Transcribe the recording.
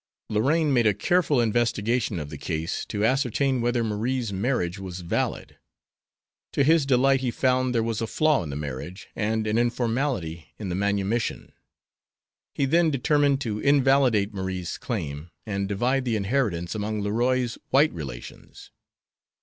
Lorraine made a careful investigation of the case, to ascertain whether Marie's marriage was valid. To his delight he found there was a flaw in the marriage and an informality in the manumission. He then determined to invalidate Marie's claim, and divide the inheritance among Leroy's white relations.